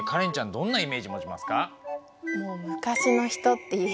どんなイメージ持ちますか？